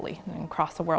tidak cukup dokter